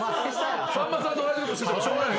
さんまさんと同じことしててもしょうがない。